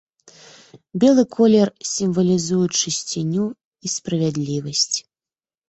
Белы колер сімвалізуе чысціню і справядлівасць.